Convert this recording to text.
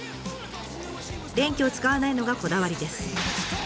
電気を使わないのがこだわりです。